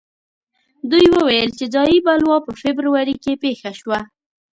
دوی وویل چې ځايي بلوا په فبروري کې پېښه شوه.